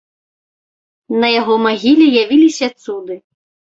На яго магіле явіліся цуды.